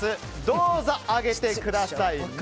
どうぞ、上げてください。